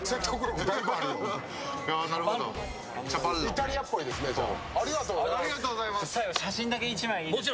イタリアっぽいですね、じゃぁ。